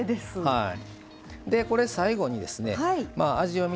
はい。